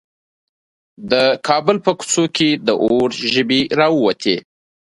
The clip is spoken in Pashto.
د کابل په کوڅو کې د اور ژبې راووتې.